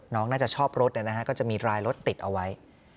น้องน่าจะชอบรถนะฮะก็จะมีรายรถติดเอาไว้